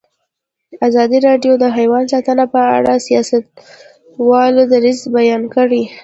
ازادي راډیو د حیوان ساتنه په اړه د سیاستوالو دریځ بیان کړی.